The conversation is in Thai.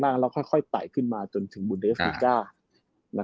แล้วค่อยต่ายขึ้นมาจนถึงบุลเดสนิก้า